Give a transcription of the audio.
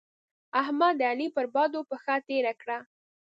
احمد؛ د علي پر بدو پښه تېره کړه.